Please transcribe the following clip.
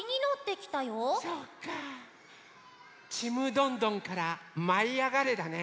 ちむどんどんからまいあがれだね。